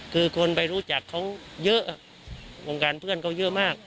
คือคนไปรู้จักเขาเยอะวงการเพื่อนเขาเยอะมาก